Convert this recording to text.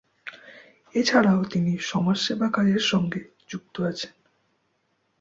এছাড়াও তিনি সমাজসেবা কাজের সঙ্গে যুক্ত আছেন।